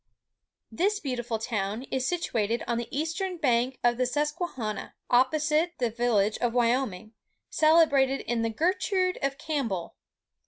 This beautiful town is situated on the eastern bank of the Susquehanna, opposite the village of Wyoming, celebrated in the "Gertrude" of Campbell.